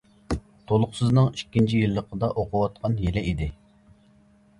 تولۇقسىزنىڭ ئىككىنچى يىللىقىدا ئوقۇۋاتقان يىلى ئىدى.